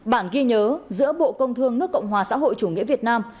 một mươi sáu bản ghi nhớ giữa bộ công thương nước cộng hòa xã hội chủ nghĩa việt nam